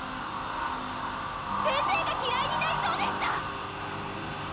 先生が嫌いになりそうでした！